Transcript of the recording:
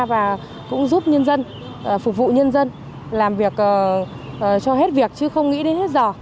và cũng giúp nhân dân phục vụ nhân dân làm việc cho hết việc chứ không nghĩ đến hết giờ